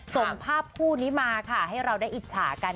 ส่งภาพคู่นี้มาค่ะให้เราได้อิจฉากัน